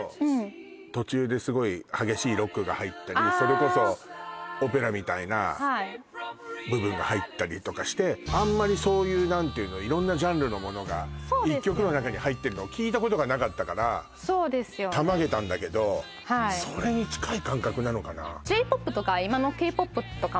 ＱＵＥＥＮのそれこそオペラみたいな部分が入ったりとかしてあんまりそういう何ていうの色んなジャンルのものが１曲の中に入ってるのを聴いたことがなかったからそうですよたまげたんだけどそれに近い感覚なのかな？